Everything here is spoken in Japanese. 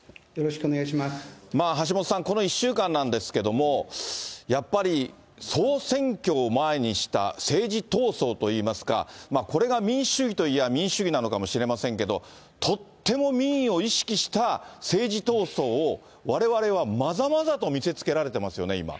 橋下さん、この１週間なんですけども、やっぱり総選挙を前にした政治闘争といいますか、これが民主主義といえば、民主主義なのかもしれませんけど、とっても民意を意識した政治闘争を、われわれはまざまざと見せつけられてますよね、今。